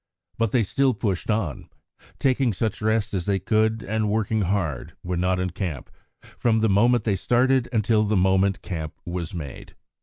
But still they pushed on, taking such rest as they could and working hard, when not in camp, from the moment they started until the moment the camp was made.